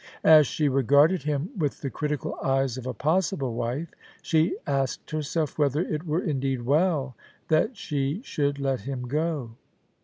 As §he regarded him with the critical eyes of a possible wif^ she asked her self whether it were indeed well that she should let him go.